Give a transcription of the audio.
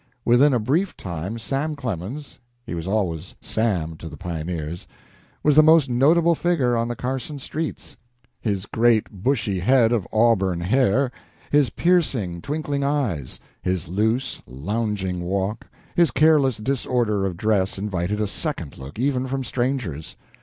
Within a brief time Sam Clemens (he was always "Sam" to the pioneers) was the most notable figure on the Carson streets. His great, bushy head of auburn hair, has piercing, twinkling eyes, his loose, lounging walk, his careless disorder of dress invited a second look, even from strangers.